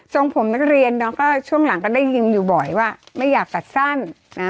ผมนักเรียนเนาะก็ช่วงหลังก็ได้ยินอยู่บ่อยว่าไม่อยากตัดสั้นนะ